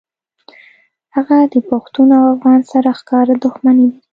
هغه د پښتون او افغان سره ښکاره دښمني لري